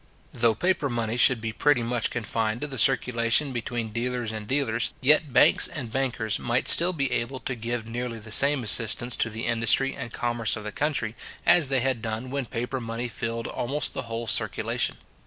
Though paper money should be pretty much confined to the circulation between dealers and dealers, yet banks and bankers might still be able to give nearly the same assistance to the industry and commerce of the country, as they had done when paper money filled almost the whole circulation.